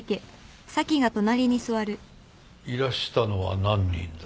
いらしたのは何人だ？